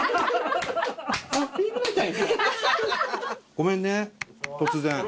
ごめんね突然。